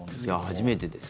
初めてです。